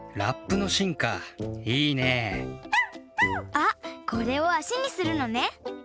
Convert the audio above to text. あっこれをあしにするのね。